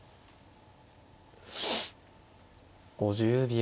５０秒。